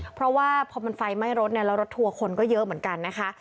เพราะว่าพอมันไฟไหม้รถเนี่ยแล้วรถทัวร์คนก็เยอะเหมือนกันนะคะ